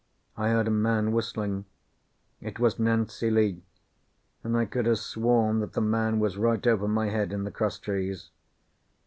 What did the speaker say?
I heard a man whistling. It was "Nancy Lee," and I could have sworn that the man was right over my head in the crosstrees.